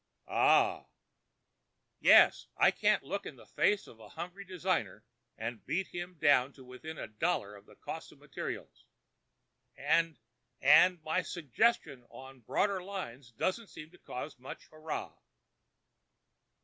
"Ah!" "Yes. I can't look in the face of a hungry designer and beat him down to within a dollar of the cost of materials. And—and—my suggestions upon broader lines don't seem to cause much hooray."